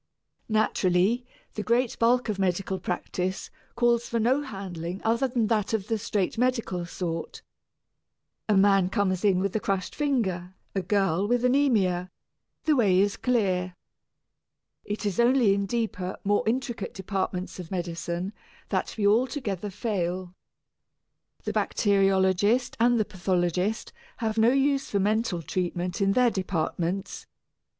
Naturally the great bulk of medical practice calls for no handling other than that of the straight medical sort. A man comes in with a crushed finger, a girl with anæmia the way is clear. It is only in deeper, more intricate departments of medicine that we altogether fail. The bacteriologist and the pathologist have no use for mental treatment, in their departments.